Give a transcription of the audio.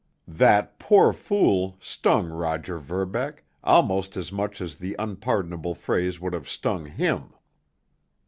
That "poor fool" stung Roger Verbeck almost as much as the unpardonable phrase would have stung him.